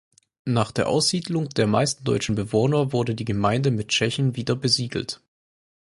Nach der Aussiedlung der meisten deutschen Bewohner wurde die Gemeinde mit Tschechen wiederbesiedelt.